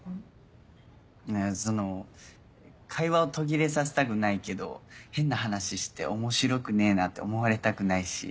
その会話を途切れさせたくないけど変な話して「面白くねえな」って思われたくないし。